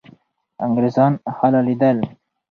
انګریزان حلالېدل.